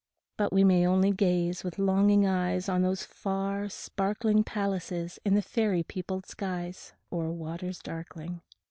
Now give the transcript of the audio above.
But we may only gaze with longing eyes On those far, sparkling Palaces in the fairy peopled skies. O'er waters darkling.